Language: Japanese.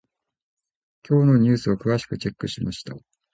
今日のニュースを詳しくチェックしました。